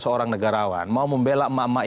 seorang negarawan mau membela emak emak